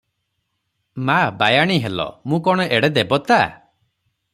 "ମା, ବାୟାଣୀ ହେଲ, ମୁଁ କଣ ଏଡ଼େ ଦେବତା?